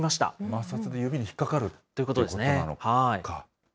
摩擦で指に引っ掛かるということなのか。